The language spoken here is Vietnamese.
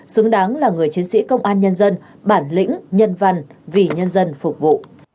xứng đáng là người chiến sĩ công an nhân dân bản lĩnh nhân văn vì nhân dân phục vụ